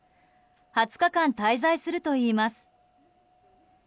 ２０日間、滞在するといいます。